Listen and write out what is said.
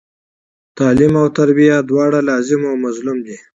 تعلم او تربیه دواړه لاظم او ملظوم دي.